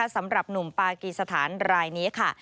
สำหรับหนุ่มปากีสถานรายนี้ค่ะ